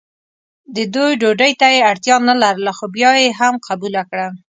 د دوی ډوډۍ ته یې اړتیا نه لرله خو بیا یې هم قبوله کړه.